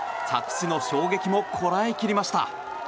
着地の衝撃もこらえ切りました。